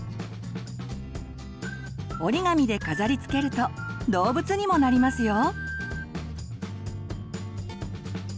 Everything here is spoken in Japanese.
折り紙で飾りつけると動物にもなりますよ。